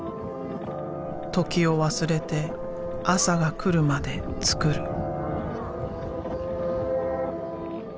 時を忘れて朝が来るまで作る。